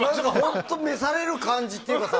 本当、召される感じというかさ。